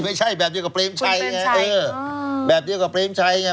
ไม่ใช่แบบเดียวกับเปรมชัยไงเออแบบเดียวกับเปรมชัยไง